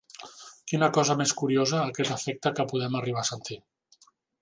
Quina cosa més curiosa aquest afecte que podem arribar a sentir